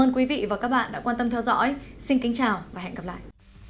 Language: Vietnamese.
ơn quý vị và các bạn đã quan tâm theo dõi xin kính chào và hẹn gặp lại